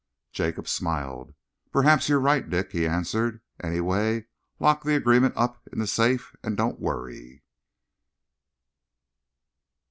Jacob smiled. "Perhaps you're right, Dick," he answered. "Anyway, lock the agreement up in the safe and don't worry."